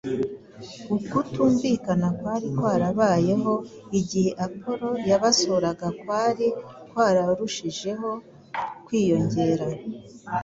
Ukutumvikana kwari kwarabayeho igihe Apolo yabasuraga kwari kwararushijeho kwiyongera.